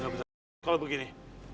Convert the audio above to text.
gak bisa kalau begini